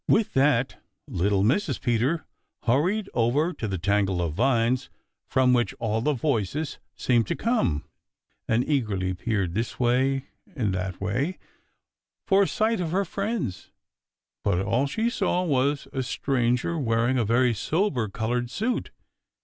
With that little Mrs. Peter hurried over to the tangle of vines from which all the voices seemed to come and eagerly peered this way and that way for a sight of her friends. But all she saw was a stranger wearing a very sober colored suit.